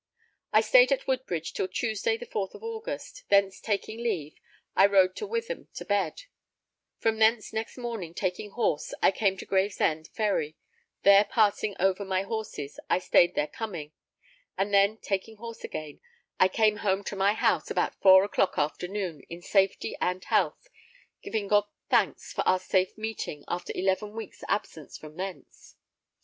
I stayed at Woodbridge till Tuesday, the 4th of August; thence taking leave, I rode to Witham to bed; from thence next morning taking horse I came to Gravesend ferry; there passing over my horses I stayed their coming, and then taking horse again I came home to my house about 4 clock afternoon, in safety and health, giving God thanks for our safe meeting after eleven weeks absence from thence.